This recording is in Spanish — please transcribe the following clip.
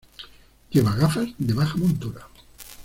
Lleva gafas de baja montura.